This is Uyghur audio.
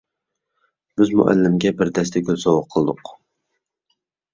بىز مۇئەللىمگە بىر دەستە گۈل سوۋغا قىلدۇق.